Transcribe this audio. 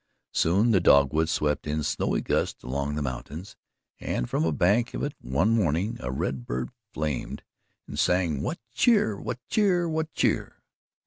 Soon, the dogwood swept in snowy gusts along the mountains, and from a bank of it one morning a red bird flamed and sang: "What cheer! What cheer! What cheer!"